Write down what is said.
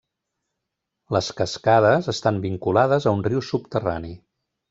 Les cascades estan vinculades a un riu subterrani.